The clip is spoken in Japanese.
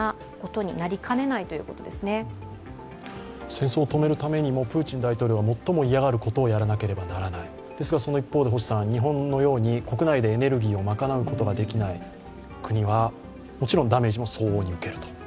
戦争を止めるためにもプーチン大統領が最も嫌がることをやらなければならないその一方で、日本のように国内でエネルーを賄うことのできない国はもちろんダメージも相応に受けると。